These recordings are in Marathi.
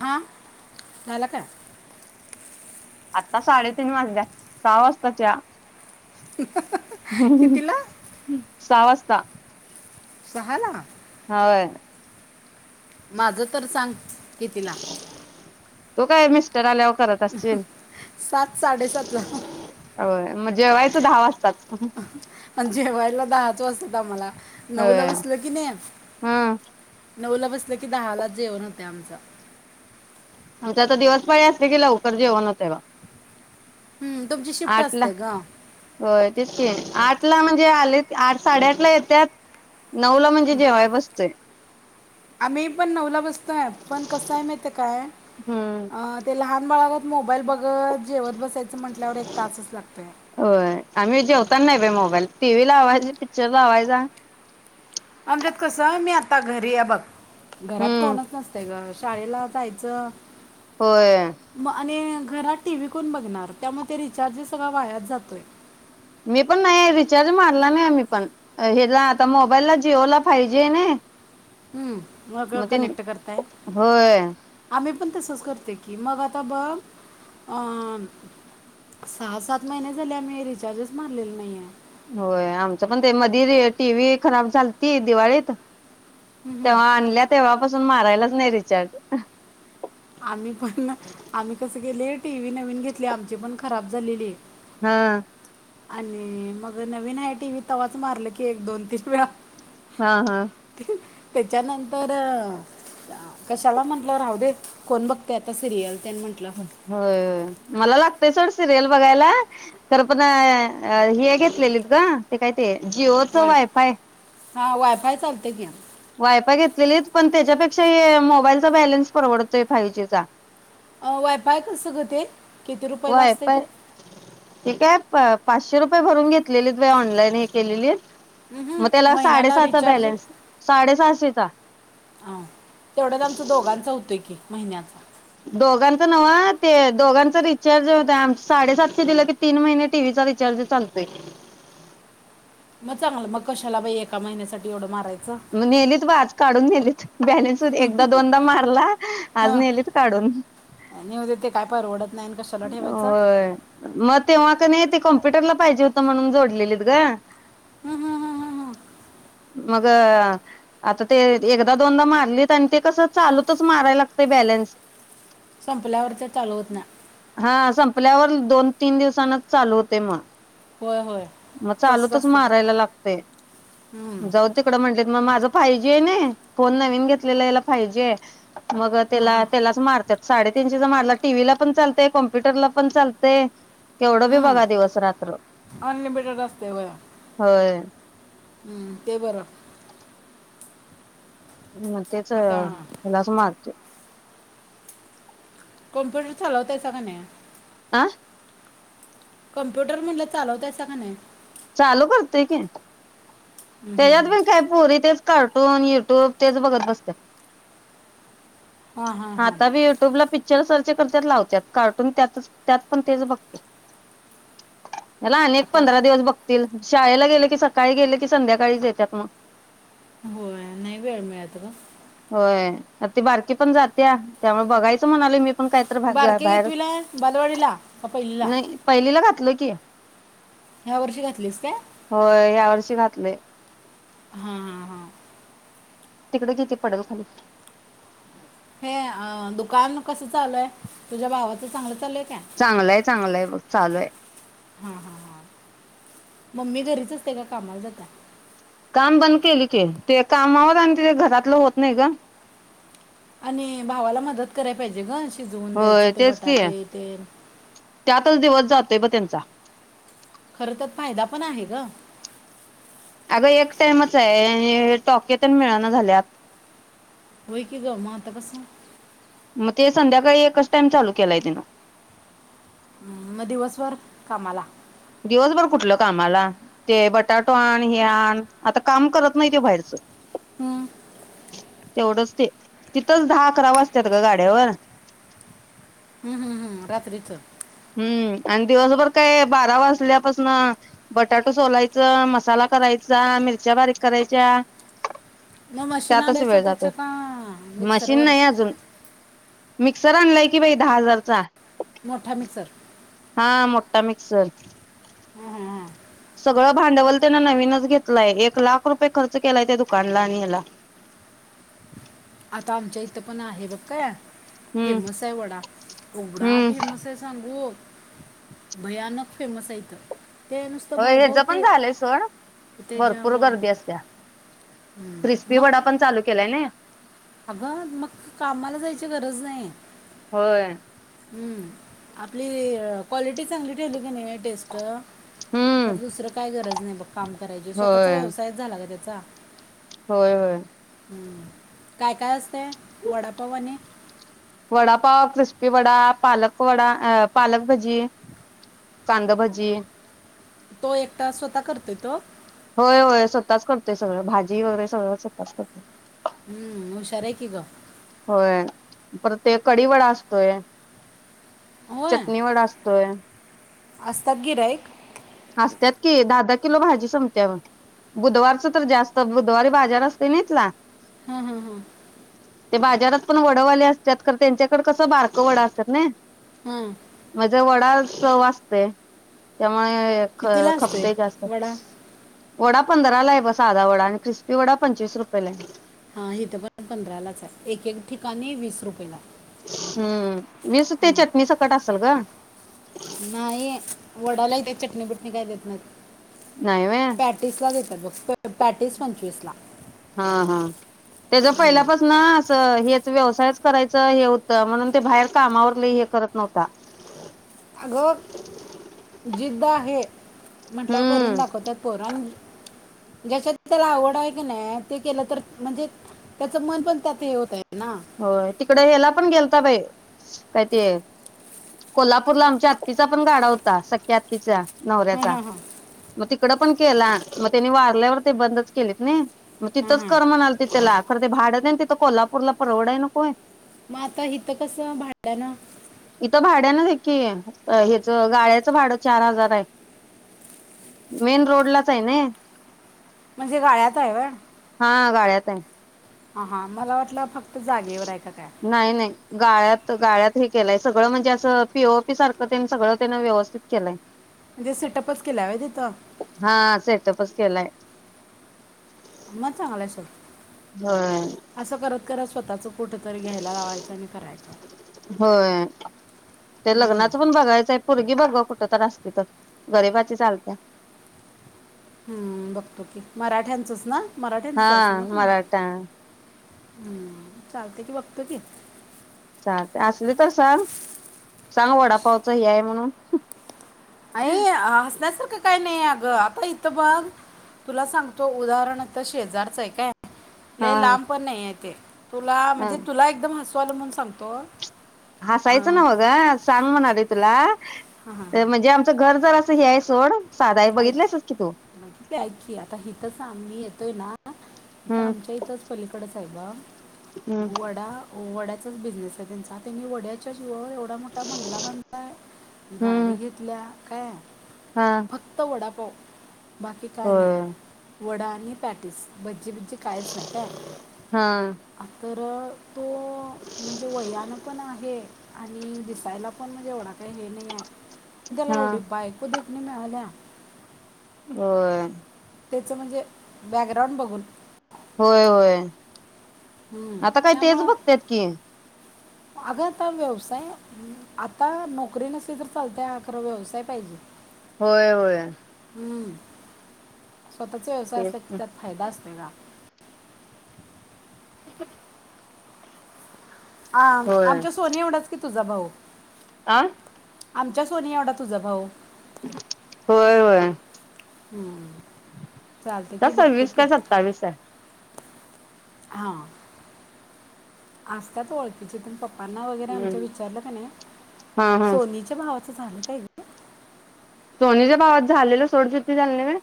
हा झाला का? आत्ता साडेतीन वाजल्यात सहा वाजता च्या कितीला सहा वासता सहा ला होय. माझं तर सांग. कितीला? तू काय मिस्टर आल्याव सात साडेसात ला म जेवायचं दहा वाजताच अ जेवा यला दहाच वाजत्यात आम्हाला होय नऊला बसलं कीनी हम्म नऊला बस ल की दहालाच जेवण होतय आमच आमची आता दिवस पाळी असली की लवकर जेवण हुतंय ब हम्म, तुमची शिफ्ट आठला असते का होय तेच की आठ ला म्हणजे आलेत, आठ साडेआठ ला येत्यात. नऊ ला म्हणजे जेवाय बसतोय. आम्ही पण नऊला बसतोय पण कसं आय माहिते काय हम्म अ ते लहा न बाळागत मोबाईल ब गत जेवत बसायचं म्हंटल्यावर एक तासच लागतोय. बाईल टी वी लावायची, पिक्चर लावायचा. आमच्यात कसाय मी आता घरी ये बग घरात हम्म कोणच नसतय गं. शाळेला जायचं. होय म आणि घ घरात टी व्ही कोण बघणार त्यामुळं ते रिचार्ज सगळा वायाच जातोय. मी पण नाही रिचार्ज मारला नाही आम्ही पण हेला आता मोबाईलला जिओला फाय जी हाय नई. हम्म मग कनेक्ट करताय होय आमी पण तसच करते की मग आता बघ अ सहा सात महिने झाले आम्ही रिचार्जच मारलेल नई आय. होय आमचं पण ते मधी री टी वी खराब झालती दिवाळीत. तेव्हा आणल्या तेव्हा पासू [unintelligible] मारायलाच नाही रिचार्ज [inaudible] आम्ही पण न! आम्ही कस केले? टी व्ही नवीन घेतलीया आमची पण खराब झालेली. ह. आणि मग नवीन आहे टी व्ही तवाच मारलं की एक, दोन, तीन वेळा. हा हा. त्याच्यानंतर अ कशाला म्हंटल राहू दे. कोण बघतय आता सिरियल? ते म्हटलं होय होय मला. ते सोड सिरियल बघायला. तर म नाय हे घेतलेलीत ग ते काय ते? जिओच वाय वायफाय हा वायफाय चालतय की. वायफाय घेतलेलीत पण त्याच्यापेक्षा ए मोबाईलचा बॅलन्स परवडतोय फाइव जीचा. अ वायफाय कसं ग ते? किती रुपयाला असते ते वायफाय इकाय पा पाचशे रुप पये फक्त भरून घेतलेलीत बाई ऑनलाईन हे केलेलीत. अ हं मग त्याला महिन्याला साडेसहाचा रिचार्ज, बॅलन्स साडेसहाशेचा ह तेवढ्यात आमचं दोघांच होतंय की. महिन्याचा. दोघांच नव ते दोघांचा रिचार्ज होता, आम्ही साडेसातशे दिलं की, तीन महिने टीव्हीचा रिचार्ज चालतय. मग चांगलं मग कशाला बाई एका महिन्यासाठी एवढं मारायचं. म नेलीत बा आज काढून नेलीत, बॅलेन्स एकदा -दोनदा मारला, आज हां नेलीत काढून. आणि उद्या ते काय परवडत नाही आणि कशाला ठेवायचं हं, होय, मग तेव्हा कणी ते कॉम्प्युटर ला पाहिजे होतं म्हणून जोडलेलीत ग. हम् हम् हम् हम् हम्. मग अ आता ते एकदा दोनदा मारलीत आणि ते कसं चालूतच मारायला लागत बॅलन्स. संपल्यावर ते चालू होत नाही हा संपल्यावर ल दोन तीन दिवसांनाच चालु होतय मग, होय होय मग तसंच चालूतच असते त्या मारायला लागतय. जाऊ दे तीकडं म्हटले मग माझ फायजी आहे ना, फोन नवीन घेतलेला याला फायजी आहे. मग हां त्याला हां त्यालाच मारत्यात साडेतीन शेचा मारला टीव्हीला पण चालतय, कॉम्प्युटरला पण चालतय. केवढं बी बघा दिवस रात्र. अनलिमिटेड असते होय होय. हं, ते बरं. मग तेच आता हीलाच मारते कम्प्युटर चालवताइसा का नाही? आह कम्प्युटर म्हणटलं चालवतायसा का नाही? चालू करतय की हम्म, हम्म, तेझ्यात हम्म. पण काय पोरी तेच कार्टून युट्यूब तेच बघत बसत्यात. हां हां हां आता बी युट्यूबला पिक्चर सार तिच्या करत्यात लावत्यात कार्टून त्यातच त्यात पण तेच बघते. ह्याला अनेक आणि आता पंधरा दिवस बघतील शाळेला गेले की सकाळी गेले की संध्याकाळीच येतात मग होय नाही वेळ मिळत ग होय आता ती बारकी पण जात्या त्यामुळे बघायचं म्हणालोय मी पण कायतर भागं बारके बाहेरचं, घेतवीला बालवाडीला का पहिलीला नाही पहिलीला घातलं की ह्या वर्षी घातलीस काय होय ह्या वर्षी घात [unintelligible] हा हा हा तिकडे किती पडल खाली हे दुकान कसं चालूय तुझ्या भावाचं चांगलं चालल्य चांगलंय चांगलंय बघ चालू आहे. हा हा हा मम्मी घरीच अस्ते का कामाला जातय? काम बंद केली की ते कामावर आणि त घरातलं होत नाही ग आणि भावाला मदत करायला पाहिजे गश शिजवून द्यायचं होय ते तेच की बटाटे ते जातय ब त्यांचा खरं तर फायदा पण आहे ग अगं एक टाइमच आहे टॉकेेतेण मिळना झाल्यात होय की गं म आता कसं? मग ते संध्याकाळी एकच टाइम चालू केलय तिनं मम दिवसभर कामाला दिवसभर कुठलं कामाला ते बटाटो आण, हे आण आता काम करत नाही ते बाहेरचं हम्म तेवढंच ते तिथंच दहा अकरा वाजत्यात ग गाड्यावर हम्म, हम्म, हम्म रात्रीचं हम्म आणि दिवसभर काय बारा वाजल्यापासून बटाटो सोलायचा, मसाला करायचा, मिरच्या बारीक करायच्या म मशीन त्यातच आणायचं वेळ त्याच जातोय का मिक्सर मशीन वर नाही अजून मिक्सर आणलय की बाई दहा हजारचा मोठा मिक्सर हा मोठा मिक्सर हम्म हा हा सगळं भांडवल तेन नवीनच घेतलंय एक लाख रुपये खर्च केलाय त्या दुकानला आणि ह्याला आता आमच्या इथं पण आहे बघ कया हम्म फेमस आहे वडा एवढा हम्म फेमस आहे सांगू. भयानक फेमस आहे इथं. ते नुसतं हेज भाऊभाऊ पण ते झालंय सोड ते जे भरपूर व- गर्दी असत्या हं. क्रिस्पी मग वडा पण चालू केलाय नाइ. अगं मग कामाला जायची गरज नाही. होय हम्म आपली क्वालिटी चांगली ठेवली की नाही टेस्ट. तर हम्म दुसरं काय गरज. नाही बग. काम करायच स्वतचा होय व्यवसायच झाला ग त्या. जा. होय होय! काय काय असतय वडापाव आणि. वडा पाव क्रिस्पी वडा, पालक वडा, अ पालक भजी, कांंद भजी. तो एकटा स्वतः करतोय तो. ताच करतोय सगळं भाजी वगैरे सगळं स्वताच करतो हूं हुशार आहे की ग. होय पर ते कडी वडा असतोय. चटणी वडा असतोय. आसतात गिराईक? असत्यात की दादा किलो भाजी समतीया बुधवारच तर जास्त बुधवारी बाजार असतोय ना इथला, हां हां हां ते बाजारात पण वडवाले असतात खरं तेच्याकड कस बारक वडा असत्यात, नई हां म ज वडा चव आसतय त्यामुळे. ख कितीला असतोय खपतय जास्त वडा वडा पंधरा ला आहे ब साधा वडा क्रिस्पी वडा पंचवीस रुपयला हे. हा हीथ पण पंधरालाच आहे, एक एक ठिकाणी वीस रुपयला. हम्म वीस ते चटणी सकट असल गं. ते चटणी बिटणी काय देत नाहीत. नाही व्हय पॅटीसला देतात बघ. प- पॅटीस पंचवीसला हा हा तेच हम्म. पहिल्यापसन आस हे. व्यवसायच करायचं हे होत म्हणून ते बाहेर कामावर लई हे करत नव्हता. अगं जिद्द आहे म्हटल्याव हम्म करून दाखवत्यात पोर ज्याच्यात त्याला आवड आहे की नाय ते केलं तर म्हणजे त्याच मन पण त्यात हे होतय. होय तिकड हेला पण गेल ता बाई काय ते कोल्हापूरला, आमच्या आत्तीचा पण गाडा होता सख्या आत्तीचा हा नवऱ्याचा हा हा! मग तिकडं पण केला, मग तेनी वारल्यावर ते बंदच केलीत नई. मग हां तिथंच हां कर म्हणालती त्यला. खरं ते भांडतेन तिथं कोल्हापूरला परवडाय नको होय मग आता इथं कसं भांडयान? इथं भाड्यानच हे की, हेच गाळ्याचं भाडं चार हजार हाय, मेन रोडलाच हायनी म्हणजे गाळ्यात हाय व्हय? हा गाळ्यात हाय. हा हा मला वाटलं फक्त जागेवर हाय. नाही नाही. गाळ्यात गाळ्यात हे केलाय सगळं म्हणजे असं पी ओ पी सारखं तेन सगळं तेन व्यवस्थित केलाय. म्हणजे सेटअपच केलाय होय तिथं? हा सेटअपच केलाय. म चांगलाय सोड. होय असं करत करत स्वतःच कुठं तरी घ्यायला लावायचं आणि करायचं. होय हम्! कुठंतर असली तर, गरिबाची चालत्या. हम्म बघतो की मराठ्यांचच ना? हा मराठ्यांचंच आहे सांगा तुम्ही मराठा. हम्म चालतंय कि बघतो कि चालतंय आसली तर सांग सांग वडापावचं हे हाय म्हणून आई ह हसण्यासारखं काय नाही अगं आता इथं बघ तुला सांगतो, उदाहरण आत्ता शेजारचा हाय काय हा लय लांब पण नाही ये, ते तुला ह म्हणजे तुला एकदम हसु तुला म्हणून सांगतो हसायचं अं, नवं गं सांग म्हणालोय तुला. अ म्हणजे आमचं घर जरा सं तू हे हाय सोड. साधा आहे ऐक बघितलंसच की तू ते ऐक की आता हथच आमीही ये पुना आता हम्म आमच्या इथंच पलीकडच साहेबा हम्म वडा वड चाच बिजनेस हाय त्यांचा. त्यांनी वड्याच्याच ओ एवढा मोठा बंगला बांधलाय, गाडी हम्म घेतल्या काय हा फक्त वडापाव बाकी काय नाय होय वडा आणि पॅटीस भज्जीबिज्जी कायच नाय काय हा आग [inaudible] तो म्हणजे वयानं पण आहे आणि दिसायला पण म्हणजे एवढा काय हे नाहीये. म त्याला हा एवढी बायको बी [unintelligible] होय तेच म्हणजे बॅकग्राऊंड बघून होय होय हम्म. आता काय तेच त्यामुळं बघत्यात की अगं आता व्यवसाय आता नोकरी नसली तर चालतंय हा खरं व्यवसाय पाहिजे. होय होय हूं स्वतःचा व्यवसाय तेच असला की त्यात फायदा असतोय ग आप [inaudible] हा होय आमच्या सोनी एवढाच कि तुझा भाऊ आ आमच्या सोनी एवढा तुझा भाऊ होय होय हूं चालतय का की बघतो सव्वीस की काय सत्तावीस आहे हा आसतात ओळखीचे पण पपा पप्पांना वगैरे आमच्या हम्म विचारलकणी हा हा सोनीच्या भावा झाल काय गं सोनीच्या भावात झालेलं सोडचिट्टी झाली नाय व्हय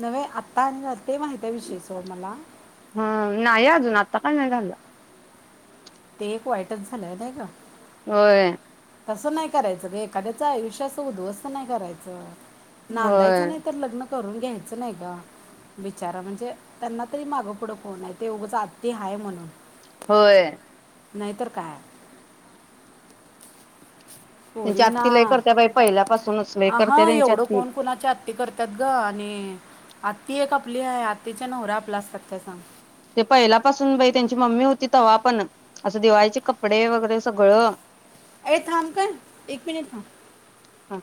नव्हे आत्ता आणि झाल ते माहित हाय विषय सोड मला ता काय नाय झालं ते एक वाईटच झाल नाही ग व्हय तसं नाय करायचं ग एखाद्याचं आयुष्य असं उद्ध्वस्त नाही करायचं. होय नांदायचं नाही तर लग्न करून घ्यायचं नाय गं बिचारा म्हणजे त्यांना तरी मागं पुढं कोण हाय ते उगंच आत्ती हाय म्हणून होय. नाहीतर काय त्यांची पोरीना आत्ती लय करत्या बाई पहिल्यापासूनच लय आ हां करत्या त्यांची एवढं आत्ती कोण कुणाच्या आत्ती करत्यात ग आणि आत्ती एक आपली हाय आत्तीच्या नवरा आपला असत्यात काय सांग? ते पहिल्यापासून बाई त्यांची मम्मी होती तव्हा पण असं दिवाळीची कपडे वगैरे सगळं ये थांब काय एक मिनिट थांब हा